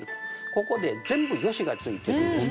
ここで全部「義」が付いてるんですね。